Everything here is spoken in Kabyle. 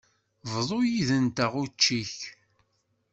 Bḍu yid-nteɣ učči-k.